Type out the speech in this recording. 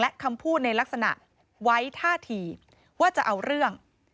และคำพูดในลักษณะไว้ท่าทีว่าจะเอาเรื่อง